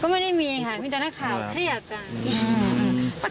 ไม่ได้มีค่ะมีแต่นักข่าวเครียดกัน